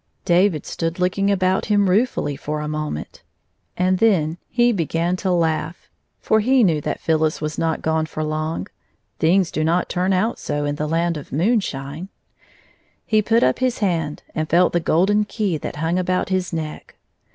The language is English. David stood looking about him rueftdly for a moment, and then he began to laugL 169 For he knew that PhyDis wm not gone for long. Things do not turn out so in the land of moonshine. He put up his hand and felt the golden key that hung about his neck.